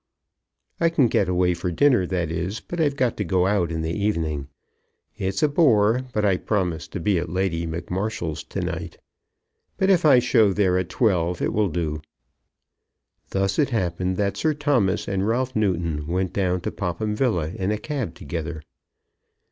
"I can get away for dinner that is, but I've got to go out in the evening. It's a bore, but I promised to be at Lady McMarshal's to night. But if I show there at twelve it will do." Thus it happened that Sir Thomas and Ralph Newton went down to Popham Villa in a cab together.